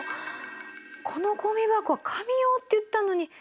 このごみ箱紙用って言ったのに。